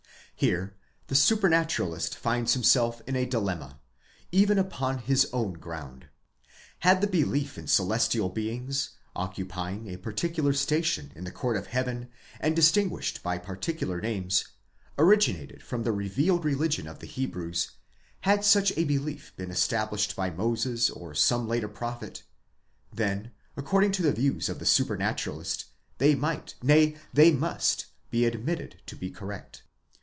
Here the supranaturalist finds himself in a dilemma, even upon his own ground. Had the belief in celestial beings, occupying a particular station in the court of heaven, and distinguished by particular names, originated from. the revealed religion of the Hebrews,—had such a belief been established by Moses, or some later prophet,—then, according to the views of the supra naturalist, they might, nay they must, be admitted to be correct.